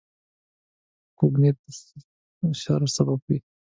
کوږ نیت د شر سبب وي